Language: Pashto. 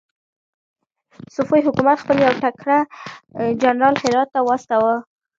صفوي حکومت خپل يو تکړه جنرال هرات ته واستاوه.